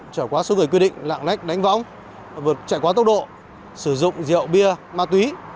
trở quá số người quy định lạng lách đánh võng vượt chạy quá tốc độ sử dụng rượu bia ma túy